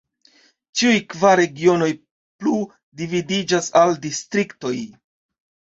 Ĉiuj kvar regionoj plu dividiĝas al distriktoj.